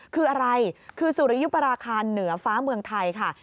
คืออะไรคือสุริยุปราคาเหนือฟ้าเมืองไทยค่ะ